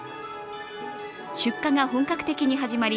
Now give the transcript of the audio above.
出荷が本格的に始まり